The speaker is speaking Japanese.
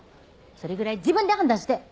それぐらい自分で判断して！